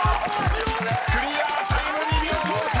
［クリアタイム２秒５３］